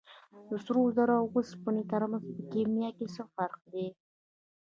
د سرو زرو او اوسپنې ترمنځ په کیمیا کې څه فرق دی